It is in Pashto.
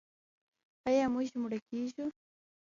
آیا موږ مړه کیږو؟